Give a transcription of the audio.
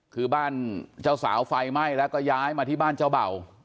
คือบ้านเจ้าสาวไฟไหม้แล้วก็ย้ายมาที่บ้านเจ้าเบ่า